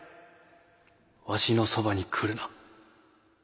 わしのそばに来るな。